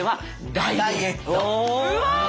うわ！